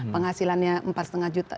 penghasilannya empat lima juta